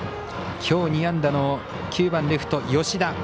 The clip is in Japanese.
きょう２安打の９番レフト吉田。